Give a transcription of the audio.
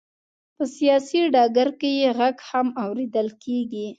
په سیاسي ډګر کې یې غږ هم اورېدل کېږي.